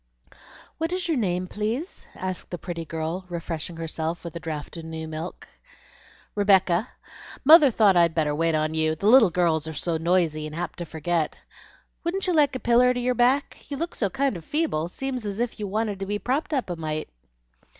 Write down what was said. "What is your name, please?" asked the pretty girl, refreshing herself with a draught of new milk. "Rebecca. Mother thought I'd better wait on you; the little girls are so noisy and apt to forget. Wouldn't you like a piller to your back? you look so kind of feeble seems as if you wanted to be propped up a mite."